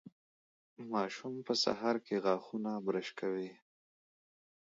ماشوم په سهار کې غاښونه برش کوي.